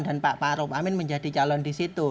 dan pak ma'ruf amin menjadi calon di situ